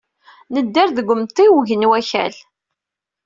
Nedder deg umtiweg n Wakal.